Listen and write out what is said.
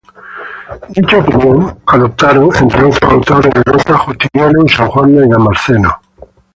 Dicha opinión adoptaron, entre otros autores de nota, Justiniano y San Juan Damasceno.